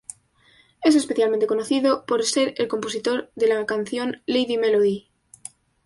Es especialmente conocido por ser el compositor de la canción "Lady Melody".